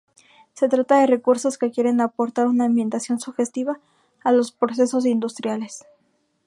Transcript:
Se trata de recursos que quieren aportar una ambientación sugestiva a los procesos industriales.